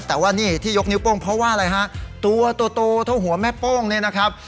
แต่ว่านี่ที่ยกนิ้วโป้งเพราะว่าอะไรฮะตัวโตเท่าหัวแม่โป้งเนี่ยนะครับ